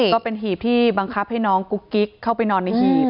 ก็เป็นหีบที่บังคับให้น้องกุ๊กกิ๊กเข้าไปนอนในหีบ